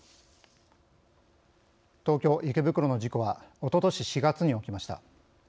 東京・池袋の事故はおととし４月に起きました。